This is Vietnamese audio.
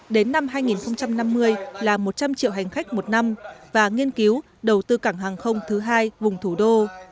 đến năm hai nghìn năm mươi là một trăm linh triệu hành khách một năm và nghiên cứu đầu tư cảng hàng không thứ hai vùng thủ đô